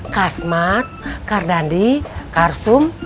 kasmat kardandi karsum